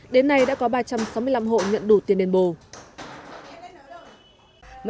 đến nay đã có ba trăm sáu mươi năm hộ nhận đủ tiền đền bù